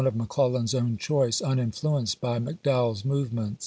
of McClellan's own choice, uninfluenced by McDowell's webb, movements.